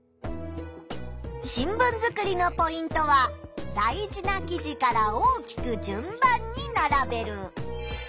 新聞作りのポイントは大事な記事から大きく・順番に並べる。